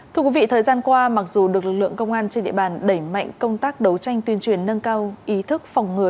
thưa quý vị thời gian qua mặc dù được lực lượng công an trên địa bàn đẩy mạnh công tác đấu tranh tuyên truyền nâng cao ý thức phòng ngừa